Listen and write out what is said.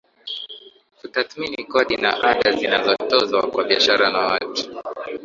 Kutathmini kodi na ada zinazotozwa kwa biashara na watu